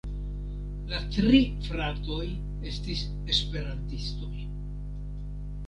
La tri fratoj estis Esperantistoj.